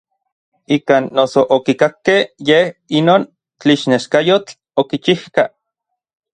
Ikan noso okikakkej yej inon tlixneskayotl okichijka.